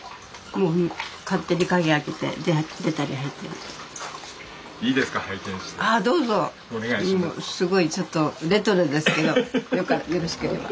もうすごいちょっとレトロですけどよろしければ。